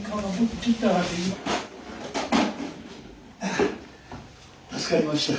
ああ助かりました。